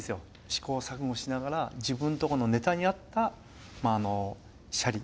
試行錯誤しながら自分とこのネタに合ったシャリ。